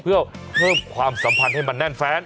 เพื่อเพิ่มความสัมพันธ์ให้มันแน่นแฟน